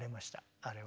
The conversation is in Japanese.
あれは。